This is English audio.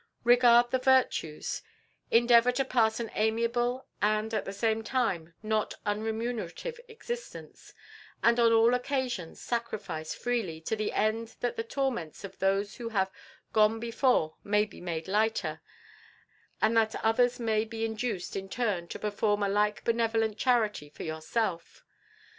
Regard the virtues; endeavour to pass an amiable and at the same time not unremunerative existence; and on all occasions sacrifice freely, to the end that the torments of those who have gone before may be made lighter, and that others may be induced in turn to perform a like benevolent charity for yourself.